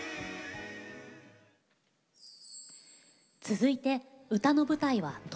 続いて歌の舞台は栃木県。